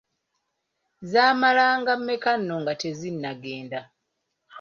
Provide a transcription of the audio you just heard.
Zaamalanga mmeka nno nga tezinagenda!